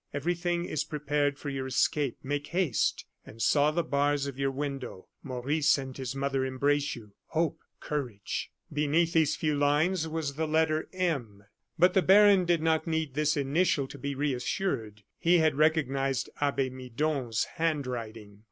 Everything is prepared for your escape. Make haste and saw the bars of your window. Maurice and his mother embrace you. Hope, courage!" Beneath these few lines was the letter M. But the baron did not need this initial to be reassured. He had recognized Abbe Midon's handwriting.